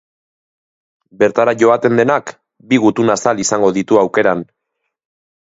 Bertara joaten denak bi gutunazal izango ditu aukeran.